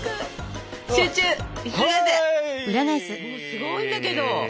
すごいんだけど！